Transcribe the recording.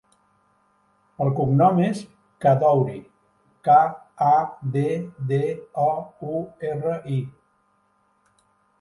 El cognom és Kaddouri: ca, a, de, de, o, u, erra, i.